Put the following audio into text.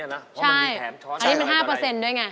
เพราะมันมีแถมช้อนายอะไรกันไงโอ๊ยใช่อันนี้มัน๕ด้วยไง